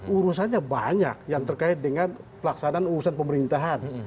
urusannya banyak yang terkait dengan pelaksanaan urusan pemerintahan